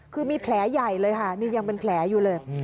คือมีแผลใหญ่เลยค่ะนี่ยังเป็นแผลอยู่เลย